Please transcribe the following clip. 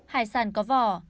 hải sản có vỏ